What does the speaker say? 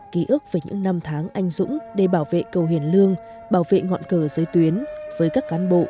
ký ức về những năm tháng anh dũng để bảo vệ cầu hiền lương bảo vệ ngọn cờ giới tuyến với các cán bộ